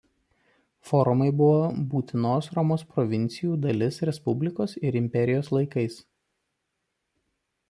Forumai buvo būtina Romos provincijų dalis Respublikos ir Imperijos laikais.